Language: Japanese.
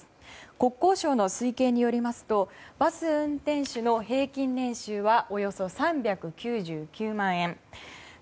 国交省の推計によりますとバス運転手の平均年収はおよそ３９９万円。